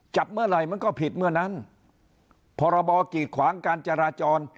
จับเมื่อไหร่มันก็ผิดเมื่อนั้นพรบกีดขวางการจราจร